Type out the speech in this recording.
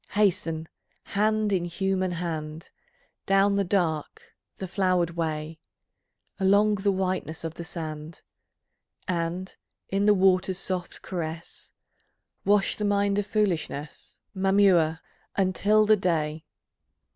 Hasten, hand in human hand, Down the dark, the flowered way, Along the whiteness of the sand, And in the water's soft caress, Wash the mind of foolishness, Mamua, until the day.